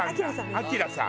晶さん。